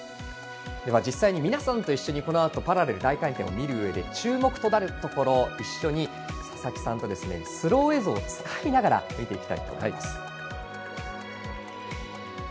実際に皆さんと一緒にこのあとパラレル大回転を見るうえで注目となるところを一緒に佐々木さんとスロー映像を使いながら見ていきたいと思います。